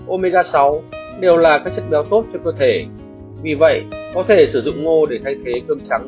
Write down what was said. ba omega sáu đều là các chất béo tốt cho cơ thể vì vậy có thể sử dụng ngô để thay thế cơm trắng